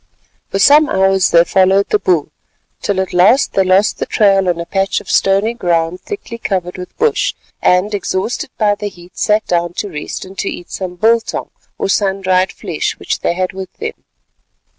For some hours they followed the bull, till at last they lost the trail on a patch of stony ground thickly covered with bush, and exhausted by the heat, sat down to rest and to eat some biltong or sun dried flesh which they had with them.